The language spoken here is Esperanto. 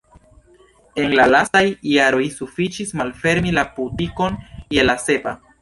En la lastaj jaroj sufiĉis malfermi la butikon je la sepa.